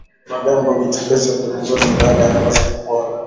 Magamba hujitokeza kwenye ngozi baada ya ngozi kupona